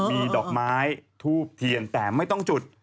มีดอกไม้ทูบเทียนแต่ไม่ต้องจุด